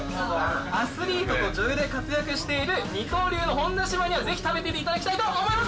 アスリートと女優で活躍している二刀流の本田姉妹にはぜひ食べていただきたいと思います